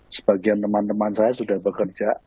sebagian teman teman saya sudah bekerja